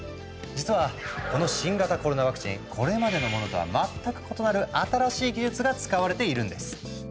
実はこの新型コロナワクチンこれまでのものとは全く異なる新しい技術が使われているんです。